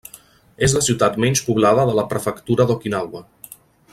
És la ciutat menys poblada de la prefectura d'Okinawa.